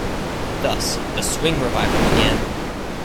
Thus, the swing revival began.